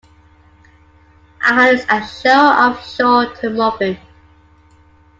Islands are shown offshore of Morfyn.